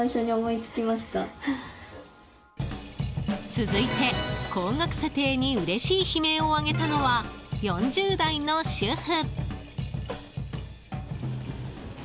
続いて、高額査定にうれしい悲鳴を上げたのは４０代の主婦。